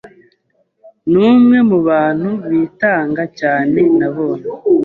numwe mubantu bitanga cyane nabonye.